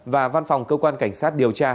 và văn phòng cơ quan cảnh sát điều tra